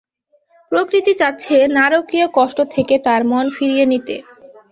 প্রকৃতি চাচ্ছে নারকীয় কষ্ট থেকে তাঁর মন ফিরিয়ে নিতে।